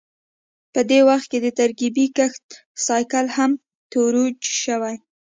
په دې وخت کې د ترکیبي کښت سایکل هم ترویج شو